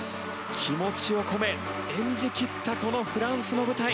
気持ちを込め、演じきったこのフランスの舞台。